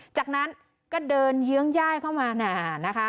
จากนั้นก็เดินเยื้องย่ายเข้ามานะคะ